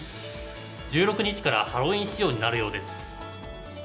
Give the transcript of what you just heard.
１６日からハロウィーン仕様になるようです。